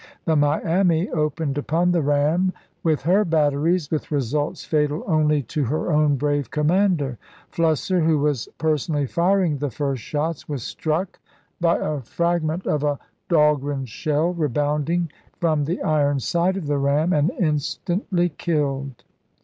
The Miami opened upon the ram with her batteries, with results fatal only to her own brave commander. Flusser, who was per sonally firing the first shots, was struck by a frag ment of a Dahlgren shell, rebounding from the iron side of the ram, and instantly killed.